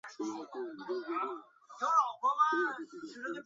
新建的巴姆郡将执行更严格的抗震规定。